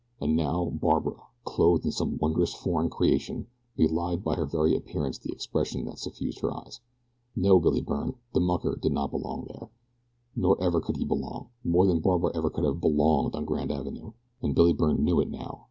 And now Barbara, clothed in some wondrous foreign creation, belied by her very appearance the expression that suffused her eyes. No, Billy Byrne, the mucker, did not belong there. Nor ever could he belong, more than Barbara ever could have "belonged" on Grand Avenue. And Billy Byrne knew it now.